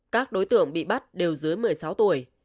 các đối tượng bị bắt đều dưới một mươi sáu tuổi